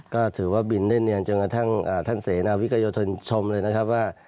ก็ถือว่าบินได้เนียนจนกระทั่งท่านเสนาวิกยธนชมเลยนะครับว่า